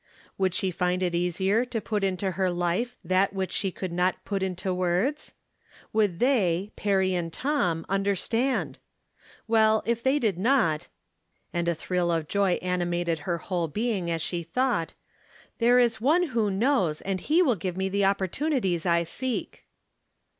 Would she find it easier to put into her life that From Different Standpoints. 347 which she coiild not put into words? Would they, Perry and Tom, understand? Well, if they did not " (and a thrUl of joy animated her whole being as she thought), " There is One who knows, and he will give me the opportuni ties I seek."